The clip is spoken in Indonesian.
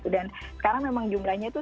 dan sekarang memang jumlahnya itu